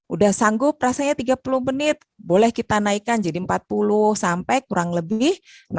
udah sanggup rasanya tiga puluh menit boleh kita naikkan jadi empat puluh sampai kurang lebih enam puluh